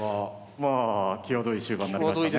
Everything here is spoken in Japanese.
まあ際どい終盤になりましたね。